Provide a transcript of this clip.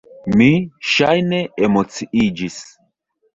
Mi, ŝajne, emociiĝis.